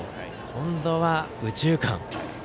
今度は右中間。